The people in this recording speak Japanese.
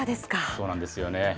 そうなんですよね。